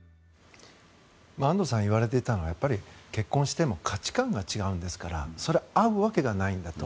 安藤さんが言われていたのは、結婚しても価値観が違うですからそりゃ合うわけがないんだと。